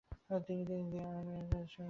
তিনি ‘the earn returns’ শিরোনামে গ্রন্থ লিখেন।